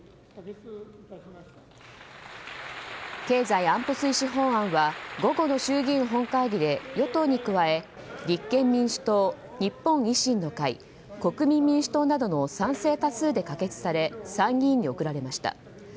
経済安保推進法案は午後の衆議院本会議で与党に加え、立憲民主党日本維新の会、国民民主党などの賛成多数で可決され参議院に送られました。